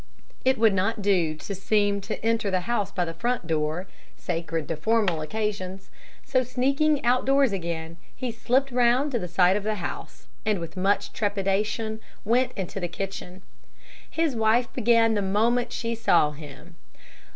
It would not do to seem to enter the house by the front door, sacred to formal occasions, so, sneaking outdoors again, he slipped round to the side of the house, and with much trepidation went into the kitchen. His wife began the moment she saw him.